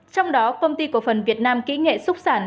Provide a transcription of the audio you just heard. trong đó công ty cổ phần việt nam kỹ nghệ xúc sản